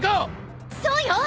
そうよ！